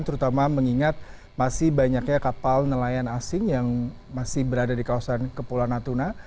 terutama mengingat masih banyaknya kapal nelayan asing yang masih berada di kawasan kepulauan natuna